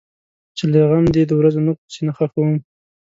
چې له غم دی د ورځو نوک په سینه خښوم.